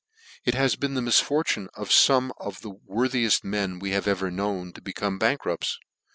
It has been the misfortune of fomeof the wor thieft men we have ever known to become bank rupts.